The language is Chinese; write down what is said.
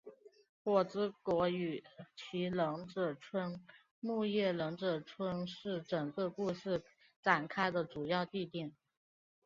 火之国与其忍者村木叶忍者村是整个故事展开的主要地点。